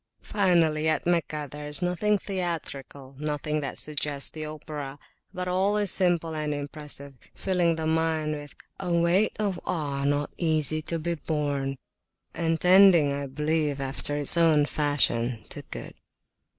Finally, at Meccah there is nothing theatrical, nothing that suggests the opera; but all is simple and impressive, filling the mind with A weight of awe not easy to be borne, and tending, I believe, after its fashion, to good.